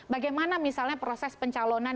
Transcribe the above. bagaimana misalnya proses pencalonan